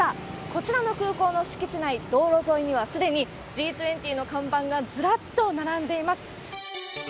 こちらの空港の敷地内、道路沿いにはすでにＧ２０の看板がずらっと並んでいます。